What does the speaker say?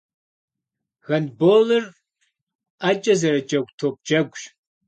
Гандболыр ӏэкӏэ зэрыджэгу топ джэгущ.